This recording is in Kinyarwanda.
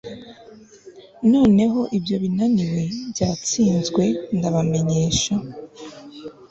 Noneho ibyo binaniwe byatsinzwe ndabamenyesha